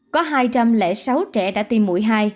có hai trăm linh sáu trẻ đã tiêm mũi hai